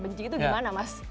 benci itu gimana mas